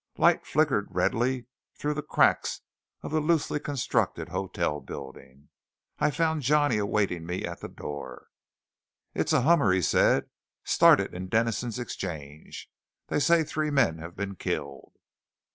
Light flickered redly through the cracks of the loosely constructed hotel building. I found Johnny awaiting me at the door. "It's a hummer," he said; "started in Denison's Exchange. They say three men have been killed."